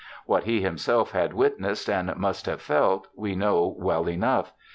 What he himself had wit nessed, and must have felt, we know well enough.